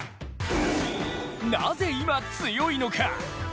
なぜ今、強いのか？